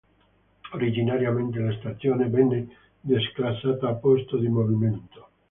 Originariamente la stazione, venne declassata a posto di movimento.